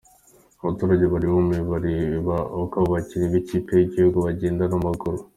Abaturage bari bumiwe bareba uko abakinnyi b'ikipe y'igihugu bagenda n'amaguru.